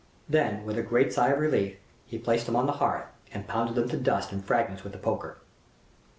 Then, with a great sigh of relief, he placed them on the hearth and pounded them to dust and fragments with the poker.